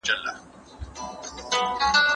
حقوقي نظام د پانګوني لپاره مهم دی.